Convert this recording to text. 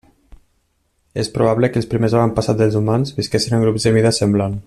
És probable que els primers avantpassats dels humans visquessin en grups de mida semblant.